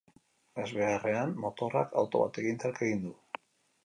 Ezbeharrean, motorrak auto batekin talka egin du.